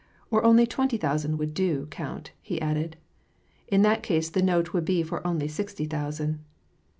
" Or only twenty thousand would do, count," he added. " And in that case, the note would be for only sixty thousand."